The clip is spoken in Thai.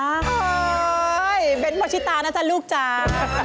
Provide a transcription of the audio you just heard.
เฮ่ยเบนเผาชิตานะค่ะลูกจ้า